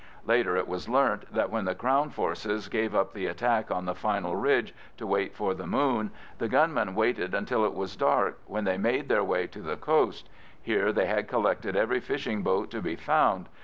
Later it was learnt that when the Crown forces gave up the attack on the final ridge to wait for the moon, the gunmen waited until it was dark, when they made their way to the coast. Here they had collected every fishing boat to be found.